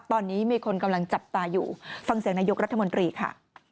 ตอนนี้มีคนกำลังจับตาอยู่ฟังเสียงนายกรัฐมนตรีค่ะ